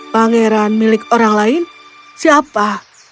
pangeran milik orang lain siapa